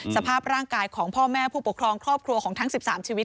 สภาพร่างกายของพ่อแม่ผู้ปกครองครอบครัวของทั้ง๑๓ชีวิต